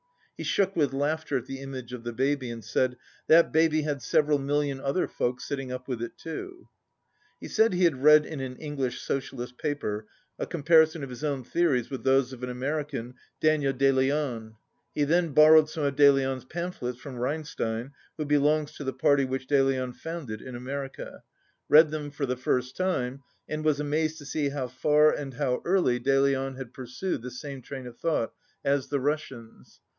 He shook with laughter at the image of the baby, and said, "That baby had several million other folk sitting up with it too." He said he had read in an English socialist paper a comparison ,of his own theories with those of an American, Daniel De Leon. He had then bor rowed some of De Leon's pamphlets from Rein stein (who belongs to the party which De Leon founded in America), read them for the first time, and was amazed to see how far and how early De 120 Leon had pursued the same train of thought as the Russians.